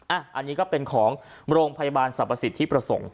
อันนี้ก็เป็นของโรงพยาบาลสรรพสิทธิประสงค์